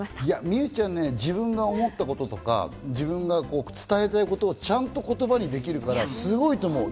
美羽ちゃん、自分が思ったこととか、伝えたいことをちゃんと言葉にできるから、すごいと思う。